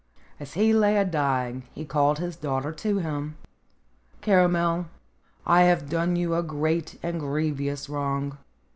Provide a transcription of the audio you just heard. IV As he lay a dying he called his daughter to him. "Caramel, I have done you a great and grievous wrong.